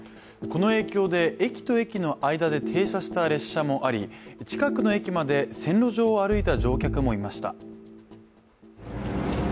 この影響で駅と駅の間で停車した列車もあり近くの駅まで線路上を歩いた乗客もいました。